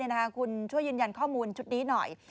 คุณช่วยยืนยันข้อมูลชุดนี้หน่อย